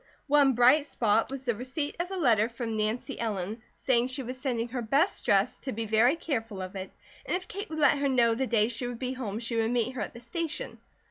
One bright spot was the receipt of a letter from Nancy Ellen saying she was sending her best dress, to be very careful of it, and if Kate would let her know the day she would be home she would meet her at the station.